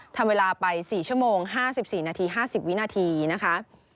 ทำเวลาไป๔ชั่วโมง๕๔นาที๕๐วินาทีนะคะ